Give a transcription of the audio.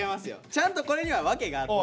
ちゃんとこれには訳があって。